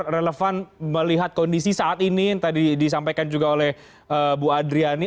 relevan melihat kondisi saat ini yang tadi disampaikan juga oleh bu adriani